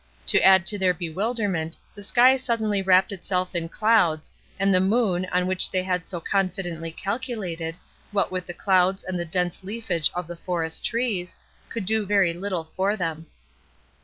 To add to their bewilderment, the sky suddenly wrapped itself in clouds, and the moon, on which they had so confidently calculated, what with the A "CROSS" TRAIL 163 clouds and the dense leafage of the forest trees, could do very little for them.